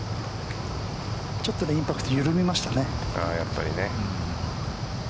ちょっとインパクト緩みましたね。